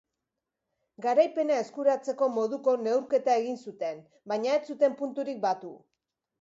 Garaipena eskuratzeko moduko neurketa egin zuten, baina ez zuten punturik batu.